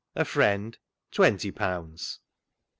" A Friend, twenty pounds."